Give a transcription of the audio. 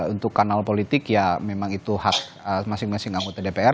untuk kanal politik ya memang itu hak masing masing anggota dpr